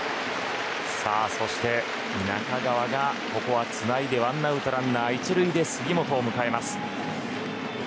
そして中川がここはつないで１アウトランナー１塁で杉本を迎えます。